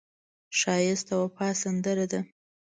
ښایست د وفا سندره ده